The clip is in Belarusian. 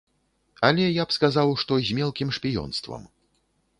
Але я б сказаў, што з мелкім шпіёнствам.